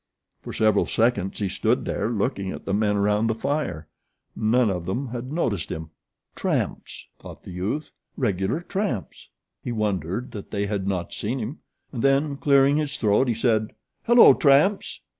For several seconds he stood there looking at the men around the fire. None of them had noticed him. "Tramps!" thought the youth. "Regular tramps." He wondered that they had not seen him, and then, clearing his throat, he said: "Hello, tramps!"